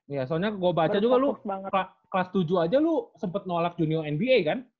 ya soalnya gue baca juga lu kelas tujuh aja lu sempet nolak junior nba kan